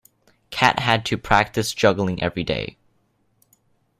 Cat had to practise juggling every day.